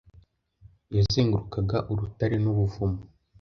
yazengurukaga urutare nubuvumo